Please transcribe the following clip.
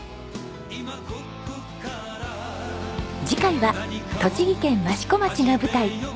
次回は栃木県益子町が舞台。